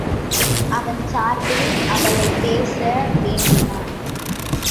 அவன் சார்பில் அவளைப் பேச வேண்டினான்.